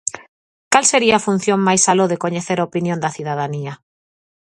Cal sería a función máis aló de coñecer a opinión da cidadanía?